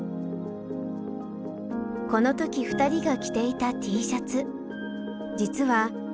この時２人が着ていたＴシャツ